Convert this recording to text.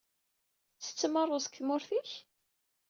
Tettettem rruẓ deg tmurt-ik?